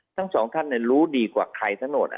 ทั้งสองท่านรู้ดีกว่าใครทั้งหมด